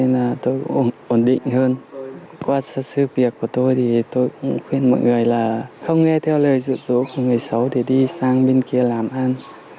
mọi người là không nghe theo lời rụ rỗ của người xấu để đi sang bên kia làm ăn